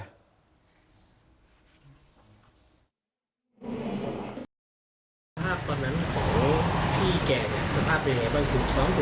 สภาพตอนนั้นของพี่แกเนี่ยสภาพเป็นยังไงบ้าง